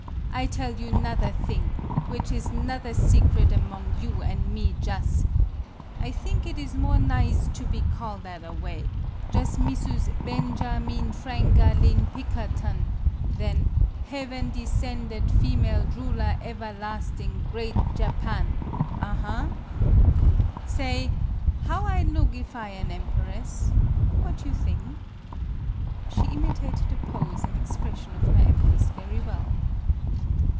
I tell you 'nother thing, which is 'nother secret among you an' me jus' : I thing it is more nize to be call that away jus' Missus Ben ja meen Frang a leen Pikkerton than Heaven De scended Female Ruler Everlasting Great MADAME BUTTERFLY 29 Japan, aha! Sa oy; how I loog if I an emperess? What you thing?" She imitated the pose and expression of her empress very well.